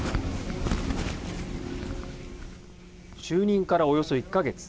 就任からおよそ１か月。